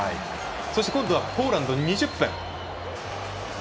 そして、今度はポーランド２０分。